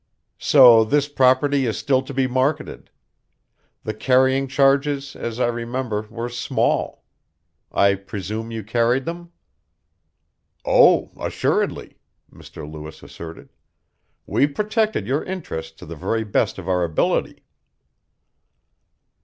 "So this property is still to be marketed. The carrying charges, as I remember, were small. I presume you carried them." "Oh, assuredly," Mr. Lewis asserted. "We protected your interests to the very best of our ability."